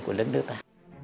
của nước nước ta